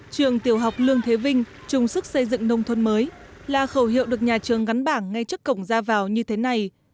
trường tiểu học lương thế vinh chung sức xây dựng nông thôn mới là khẩu hiệu được nhà trường gắn bảng ngay trước cổng ra vào như thế này